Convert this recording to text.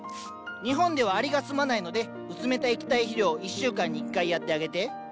日本ではアリが住まないので薄めた液体肥料を１週間に１回やってあげて。